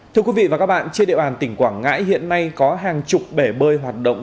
thưa quý vị và các bạn trên địa bàn tỉnh quảng ngãi hiện nay có hàng chục bể bơi hoạt động